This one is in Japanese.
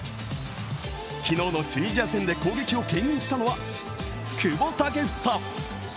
昨日のチュニジア戦で攻撃をけん引したのは久保建英。